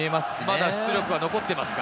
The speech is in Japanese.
まだ出力は残ってますか？